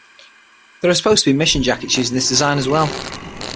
There are supposed to be mission jackets using this design as well.